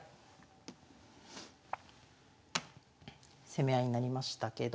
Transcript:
攻め合いになりましたけども。